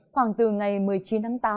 khoảng từ ngày một mươi chín tháng tám